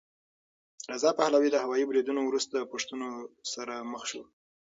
رضا پهلوي د هوايي بریدونو وروسته پوښتنو سره مخ شو.